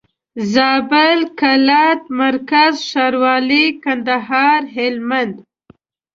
زابل قلات مرکز ښاروالي کندهار هلمند